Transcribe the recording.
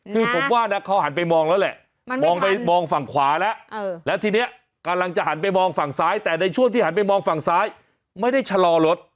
คือผมว่านะเขาหันไปมองแล้วแหละมองไปมองฝั่งขวาแล้วแล้วทีนี้กำลังจะหันไปมองฝั่งซ้ายแต่ในช่วงที่หันไปมองฝั่งซ้ายไม่ได้ชะลอรถ